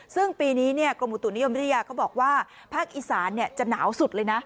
ซึ่งปีนี้กรมอุตุนิยมวิทยาเขาบอกว่าภาคอีสานจะหนาวสุดเลยนะ